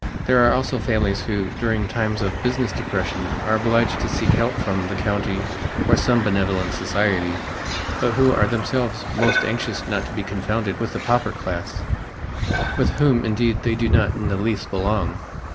There are also the families who, during times of business depression, are obliged to seek help from the county or some benevolent society, but who are themselves most anxious not to be confounded with the pauper class, with whom indeed they do not in the least belong.